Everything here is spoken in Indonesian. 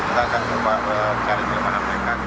kita akan mencari kelemanan mereka